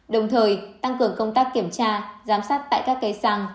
đồng thời tăng cường công tác kiểm tra giám sát tại các cây xăng